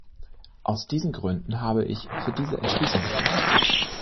Aus diesen Gründen habe ich für diese Entschließung gestimmt.